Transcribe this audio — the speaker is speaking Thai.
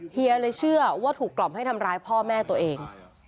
เฮียเลยเชื่อว่าถูกกล่อมให้ทำร้ายพ่อแม่ตัวเอง